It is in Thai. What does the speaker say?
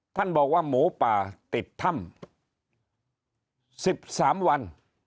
ท่านบอกว่าหมูป่าติดธรรมสิบสามวัน